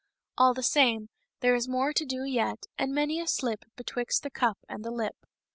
All the same, there is more to do yet, and many a slip betwixt the cup and the lip.